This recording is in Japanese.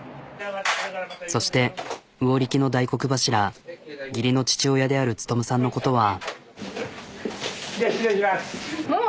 そして魚力の大黒柱義理の父親である力さんのことは。